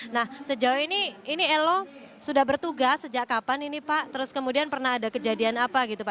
nah sejauh ini ini elo sudah bertugas sejak kapan ini pak terus kemudian pernah ada kejadian apa gitu pak